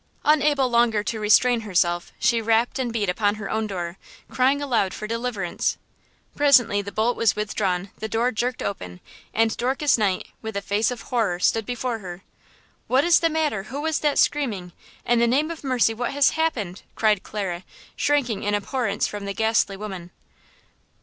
Unable longer to restrain herself, she rapped and beat upon her own door, crying aloud for deliverance. Presently the bolt was withdrawn, the door jerked open and Dorcas Knight, with a face of horror, stood before her. "What is the matter! Who was that screaming? In the name of mercy, what has happened?" cried Clara, shrinking in abhorrence from the ghastly woman.